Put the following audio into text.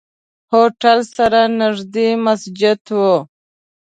هوټل سره نزدې مسجد وو.